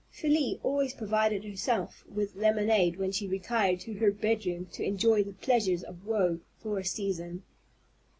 Felie always provided herself with lemonade when she retired to her bedroom to enjoy the pleasures of woe for a season.